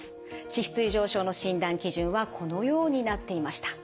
脂質異常症の診断基準はこのようになっていました。